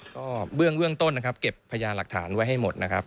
ก็เบื้องต้นนะครับเก็บพยานหลักฐานไว้ให้หมดนะครับ